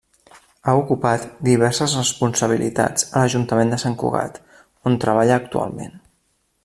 Ha ocupat diverses responsabilitats a l’Ajuntament de Sant Cugat, on treballa actualment.